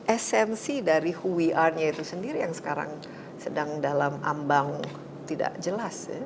esensi dari who we are nya itu sendiri yang sekarang sedang dalam ambang tidak jelas